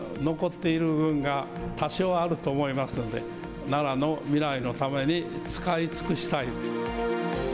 まだ、残っている運が多少あると思いますので、奈良の未来のために使い尽くしたい。